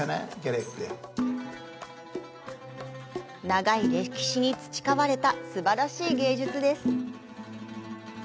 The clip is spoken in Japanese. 長い歴史に培われたすばらしい芸術です。